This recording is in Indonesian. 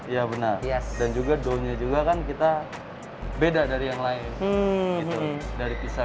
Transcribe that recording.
sempurna ya benar dan juga doughnya juga kan kita beda dari yang lain itu dari pizza